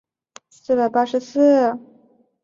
罗庄乡是中国河南省商丘市夏邑县下辖的一个乡。